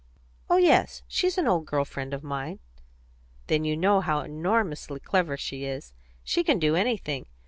"Oh yes; she's an old girl friend of mine." "Then you know how enormously clever she is. She can do anything.